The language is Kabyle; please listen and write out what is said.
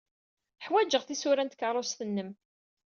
Ḥwajeɣ tisura n tkeṛṛust-nnem.